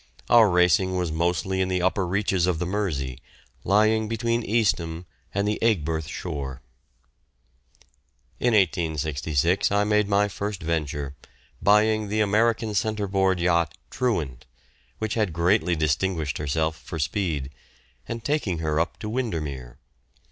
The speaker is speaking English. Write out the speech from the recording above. Our racing was mostly in the upper reaches of the Mersey, lying between Eastham and the Aigburth shore. In 1866 I made my first venture, buying the American centre board yacht "Truant," which had greatly distinguished herself for speed, and taking her up to Windermere.